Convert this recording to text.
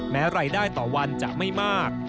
แม้รายได้ต่อวันจะไม่มาก